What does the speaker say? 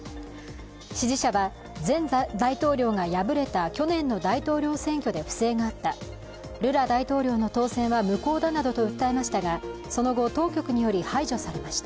支持者は前大統領が敗れた去年の大統領選挙で不正があった、ルラ大統領の当選は無効だなどと訴えましたがその後、当局により排除されました